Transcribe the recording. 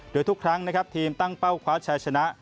โดยทุกครั้งนะครับทีมตั้งเป้าคว้าชัยชนะ